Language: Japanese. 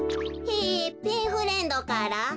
へえペンフレンドから？